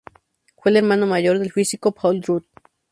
Fue el hermano mayor del físico Paul Drude.